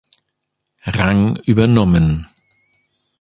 Rang übernommen.